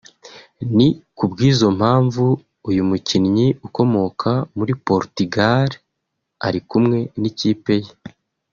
ni kubw’izo mpamvu uyu mukinnyi ukomoka muri Portugal ari kumwe n’ikipe ye